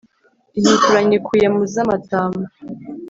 intukura nyikuye mu za matama,